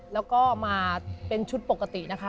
แล้วก็มาเป็นชุดปกตินะคะ